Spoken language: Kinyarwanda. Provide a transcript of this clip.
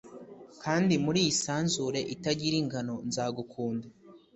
kandi muri iyi sanzure itagira ingano nzagukunda